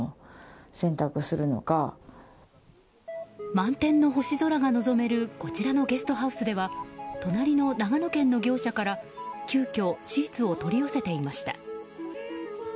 満天の星空が望めるこちらのゲストハウスでは隣の長野県の業者から急きょ、シーツを取り寄せていました。